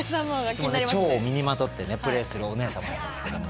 蝶を身にまとってプレーするお姉様なんですけども。